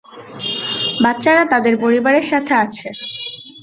বাচ্চারা তাদের পরিবারের সাথে আছে।